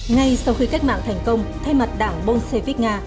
ngay sau khi cách mạng thành công thay mặt đảng bolshevik nga